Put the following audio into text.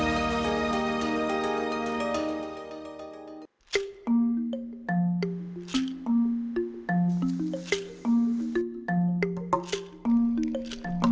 terbinariosis dengan suatu ponsel dan merupakan pemakaman yang paling penting